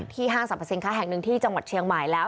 ห้างสรรพสินค้าแห่งหนึ่งที่จังหวัดเชียงใหม่แล้ว